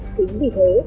chính vì thế